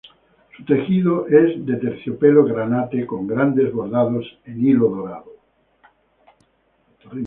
Su tejido es de terciopelo granate, con grandes bordados en hilo dorado.